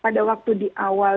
pada waktu di awal